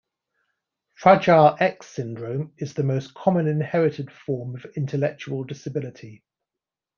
Fragile X syndrome is the most common inherited form of intellectual disability.